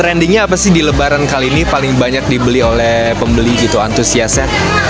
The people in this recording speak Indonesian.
trendingnya apa sih di lebaran kali ini paling banyak dibeli oleh pembeli gitu antusiasnya